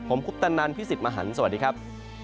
ผมคุปตะนันพี่สิทธิ์มหันฯสวัสดีครับ